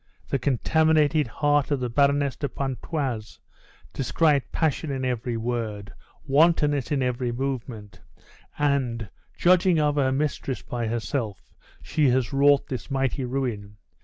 The contaminated heart of the Baroness de Pontoise descried passion in every word, wantonness in every movement; and, judging of her mistress by herself, she has wrought this mighty ruin.